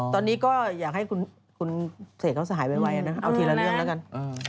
ตอนนี้ก็อยากให้คุณเสกเขาสหายไวนะเอาทีละเรื่องแล้วกัน